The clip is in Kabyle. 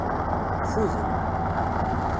Ffuden.